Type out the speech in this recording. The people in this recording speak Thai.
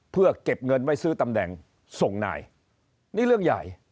เพื่อเก็บเงินไว้ซื้อตำแหน่งส่งนายนี่เรื่องใหญ่